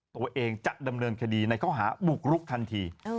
ตัวเองจัดดำเนินคดีให้เขาหาบุกลุกทันที